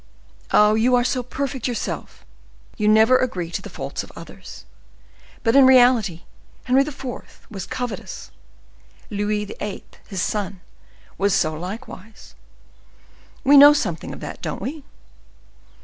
"Oh! you are so perfect yourself, you never agree to the faults of others. But, in reality, Henry IV. was covetous, Louis XIII., his son, was so likewise; we know something of that, don't we?